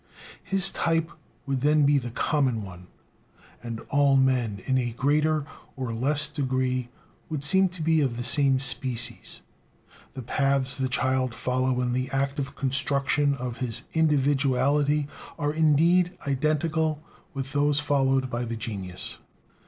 His type would then be the common one, and all men, in a greater or less degree, would seem to be of the same "species." The paths the child follows in the active "construction" of his individuality are indeed identical with those followed by the genius.